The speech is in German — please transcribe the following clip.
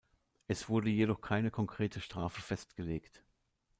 Es wurde jedoch keine konkrete Strafe festgelegt.